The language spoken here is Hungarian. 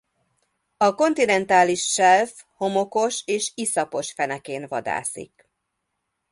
A kontinentális self homokos és iszapos fenekén vadászik.